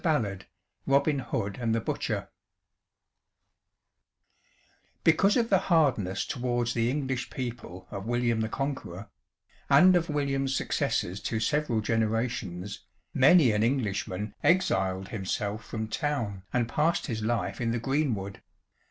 CHAPTER XII ROBIN HOOD Because of the hardness towards the English people of William the Conqueror, and of William's successors to several generations, many an Englishman exiled himself from town and passed his life in the greenwood.